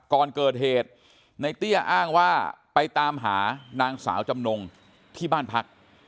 ก่อนเกิดเหตุในเตี้ยอ้างว่าไปตามหานางสาวจำนงที่บ้านพัก